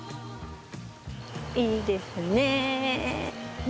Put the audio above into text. いいですね。